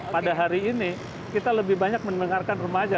pada hari ini kita lebih banyak mendengarkan remaja